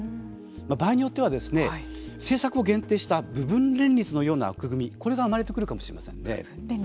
場合によっては政策を限定した部分連立のような枠組みこれが生まれてくるかもしれませんよね。